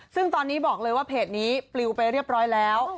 ซึ่งตอนนี้บอกเลยว่าเพจนี้ปลิวไปเรียบร้อยแล้ว